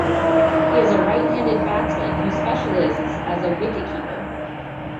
He is a right-handed batsman who specialises as a wicketkeeper.